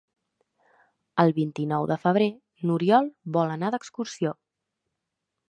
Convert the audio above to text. El vint-i-nou de febrer n'Oriol vol anar d'excursió.